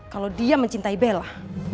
kalau dia mencintai bella